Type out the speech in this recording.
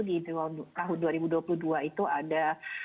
di tahun dua ribu dua puluh dua itu ada